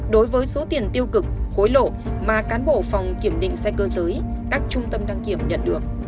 đối với số tiền tiêu cực khối lộ mà cán bộ phòng kiểm định xe cơ giới các trung tâm đăng kiểm nhận được